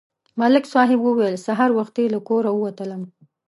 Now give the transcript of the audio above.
ملک صاحب وویل: سهار وختي له کوره ووتلم